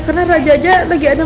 karena raja aja lagi ada